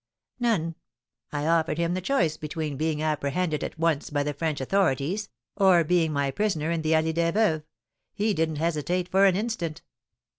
"None. I offered him the choice between being apprehended at once by the French authorities, or being my prisoner in the Allée des Veuves, he didn't hesitate for an instant."